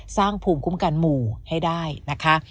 สร้างภูมิคุ้มกันหมู่ให้ได้นะคะ